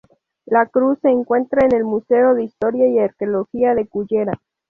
La cruz se encuentra en el Museo de Historia y Arqueología de Cullera.